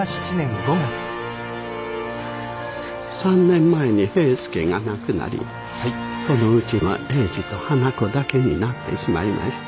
３年前に平祐が亡くなりこのうちは英治と花子だけになってしまいました。